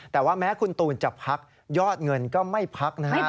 แต่ว่าแม้คุณตูนจะพักยอดเงินก็ไม่พักนะฮะ